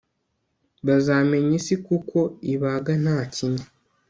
Bazamenya isi kuko ibaga ntakinya